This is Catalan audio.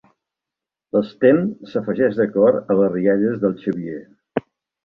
L'Sten s'afegeix de cor a les rialles del Xavier.